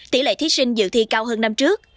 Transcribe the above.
tỷ lệ thí sinh dự thi cao hơn năm trước